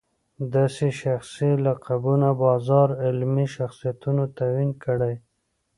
داسې شخصي لقبونو بازار علمي شخصیتونو توهین کړی.